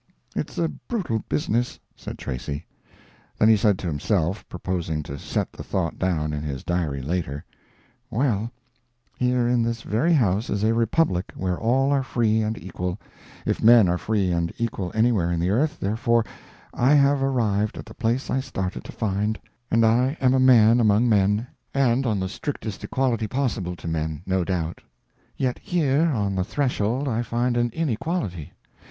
"It's a brutal business," said Tracy. Then he said to himself, purposing to set the thought down in his diary later: "Well, here in this very house is a republic where all are free and equal, if men are free and equal anywhere in the earth, therefore I have arrived at the place I started to find, and I am a man among men, and on the strictest equality possible to men, no doubt. Yet here on the threshold I find an inequality.